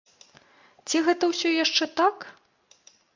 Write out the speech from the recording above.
Ці гэта ўсё яшчэ так?